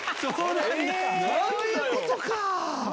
そういうことか！